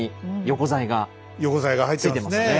横材が入ってますね。